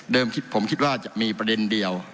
ผมคิดว่าจะมีประเด็นเดียว